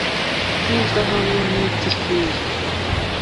by izahabu n iby ifeza